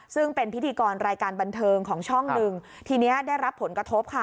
ซึ่งเป็นพิธีกรรายการบันเทิงของช่องหนึ่งทีนี้ได้รับผลกระทบค่ะ